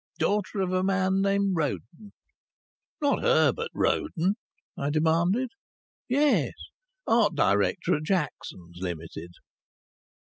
"Daughter of a man named Roden." "Not Herbert Roden?" I demanded. "Yes. Art director at Jacksons, Limited."